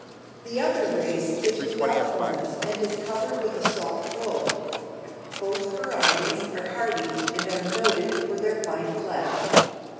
The other race is without horns and is covered with a soft wool. Both varieties are hardy and are noted for their fine flesh.